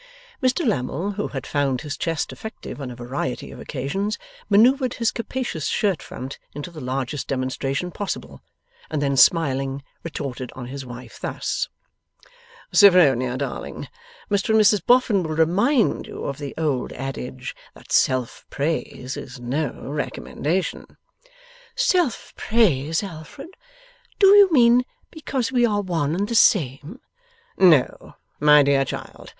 Mr Lammle, who had found his chest effective on a variety of occasions, manoeuvred his capacious shirt front into the largest demonstration possible, and then smiling retorted on his wife, thus: 'Sophronia, darling, Mr and Mrs Boffin will remind you of the old adage, that self praise is no recommendation.' 'Self praise, Alfred? Do you mean because we are one and the same?' 'No, my dear child.